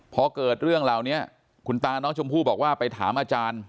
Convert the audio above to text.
พอเกิดเรื่องเหล่านี้คุณตาน้องชมพู่บอกว่าไปถามอาจารย์